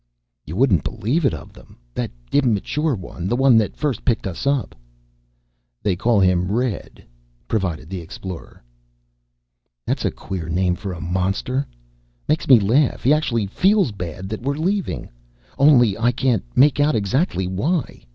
"You wouldn't believe it of them. That immature one, the one that first picked us up " "They call him Red," provided the Explorer. "That's a queer name for a monster. Makes me laugh. He actually feels bad that we're leaving. Only I can't make out exactly why.